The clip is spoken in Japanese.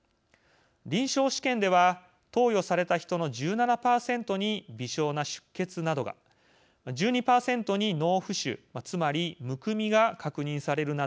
臨床試験では投与された人の１７％に微小な出血などが１２％に脳浮腫つまりむくみが確認されるなどしました。